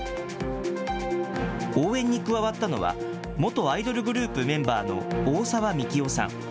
応援に加わったのは、元アイドルグループメンバーの大沢樹生さん。